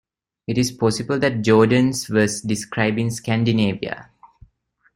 It is possible that Jordanes was describing Scandinavia.